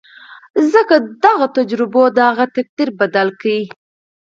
ځکه دغو تجربو د هغه تقدير بدل کړ.